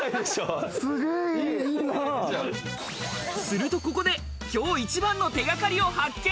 すると、ここで今日一番の手掛かりを発見。